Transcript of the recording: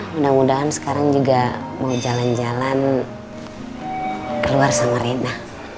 mudah mudahan sekarang juga mau jalan jalan keluar sama rena